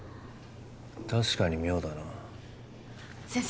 確かに妙だな先生